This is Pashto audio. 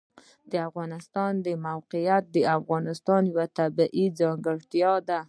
د افغانستان د موقعیت د افغانستان یوه طبیعي ځانګړتیا ده.